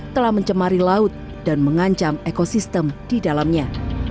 telah mencemari laut dan mengancam ekosistem di dalamnya